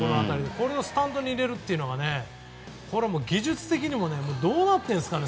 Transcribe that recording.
それをスタンドに入れるっていうのはこれは技術的にもどうなってるんですかね。